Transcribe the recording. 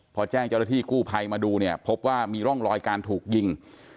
พอแจ้งเจ้าหน้าที่กู้ภัยมาดูเนี่ยพบว่ามีร่องรอยการถูกยิง